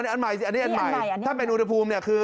อันใหม่อันนี้อันใหม่ถ้าเป็นอุณหภูมิ